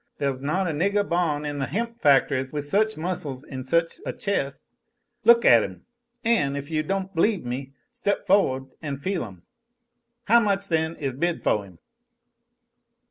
There's not a niggah ban' in the hemp factories with such muscles an' such a chest. Look at 'em! An', if you don't b'lieve me, step fo'ward and feel 'em. How much, then, is bid foh 'im?"